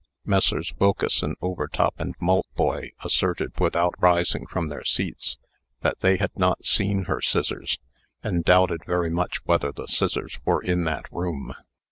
Messrs. Wilkeson, Overtop, and Maltboy asserted, without rising from their seats, that they had not seen her scissors, and doubted very much whether the scissors were in that room.